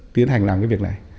tiến hành làm cái việc này